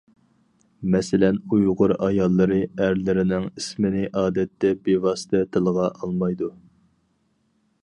مەسىلەن، ئۇيغۇر ئاياللىرى ئەرلىرىنىڭ ئىسمىنى ئادەتتە بىۋاسىتە تىلغا ئالمايدۇ.